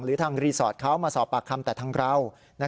หรือทางรีสอร์ทเขามาสอบปากคำแต่ทางเรา